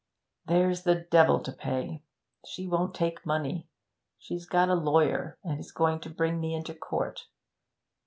'There's the devil to pay. She won't take money. She's got a lawyer, and is going to bring me into court.